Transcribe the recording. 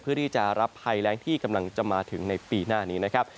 เพื่อที่จะรับภัยแรงที่กำลังจะมาถึงในปีหน้านี้นะครับ